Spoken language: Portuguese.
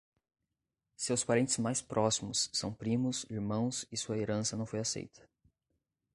Seus parentes mais próximos são primos irmãos e sua herança não foi aceita.